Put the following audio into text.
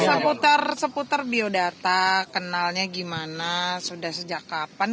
bisa seputar biodata kenalnya gimana sudah sejak kapan